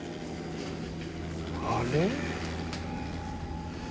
あれ？